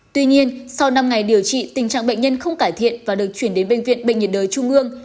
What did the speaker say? tuy nhiên sau năm ngày điều trị tình trạng bệnh nhân không cải thiện và được chuyển đến bệnh viện bệnh nhiệt đới trung ương